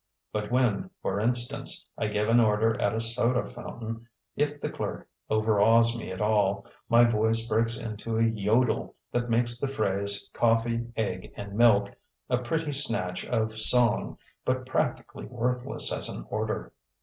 But when, for instance, I give an order at a soda fountain, if the clerk overawes me at all, my voice breaks into a yodel that makes the phrase "Coffee, egg and milk" a pretty snatch of song, but practically worthless as an order.